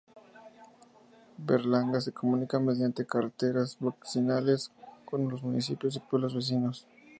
Berlanga se comunica mediante carreteras vecinales con los municipios y pueblos vecinos.